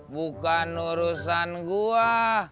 bukan urusan gua